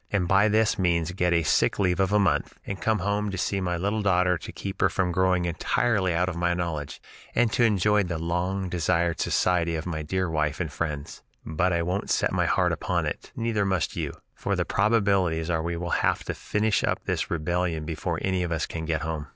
and by this means get a sick leave of a month, and come home to see my little daughter to keep her from growing entirely out of my knowledge, and to enjoy the long desired society of my dear wife and friends. But I won't set my heart upon it, neither must you, for the probabilities are we will have to finish up this rebellion before any of us can get home.